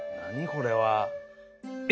これは。え？